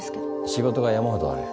仕事が山ほどある。